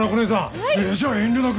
じゃあ遠慮なく。